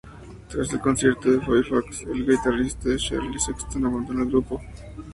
Tras el concierto en Fairfax, el guitarrista Charlie Sexton abandonó el grupo.